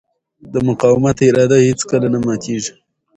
د مقاومت اراده هېڅکله نه ماتېږي.